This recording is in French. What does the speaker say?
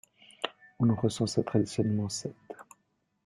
On en recensait traditionnellement sept.